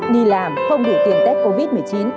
đi làm không để tiền tết covid một mươi chín